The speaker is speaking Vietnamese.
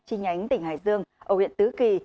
chi nhánh tỉnh hải dương ở huyện tứ kỳ